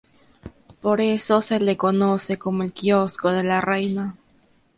Por eso se lo conoce como el Quiosco de la Reina.